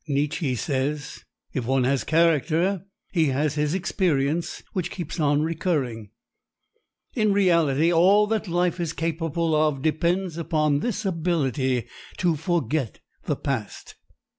Nietzsche says: "If one has character he has his experience which keeps on recurring." In reality all that life is capable of depends upon this ability to forget the past.